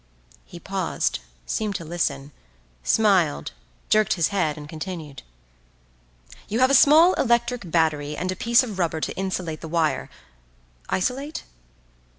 He paused, seemed to listen, smiled, jerked his head and continued:—"You have a small electric battery and a piece of rubber to insulate the wire—isolate?